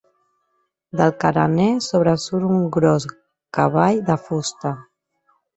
Del carener sobresurt un gros cavall de fusta.